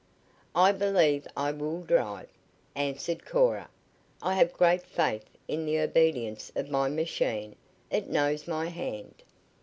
"I believe I will drive," answered Cora. "I have great faith in the obedience of my machine. It knows my hand."